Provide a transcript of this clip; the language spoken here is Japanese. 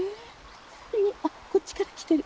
あっこっちから来てる。